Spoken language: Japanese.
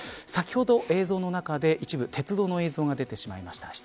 先ほど、映像の中で、一部鉄道の映像が出てしまいました。